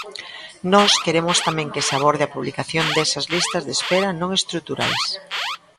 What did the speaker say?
Nós queremos tamén que se aborde a publicación desas listas de espera non estruturais.